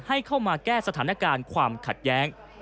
ให้เข้ามาแก้สถานการณ์ความขัดแย้ง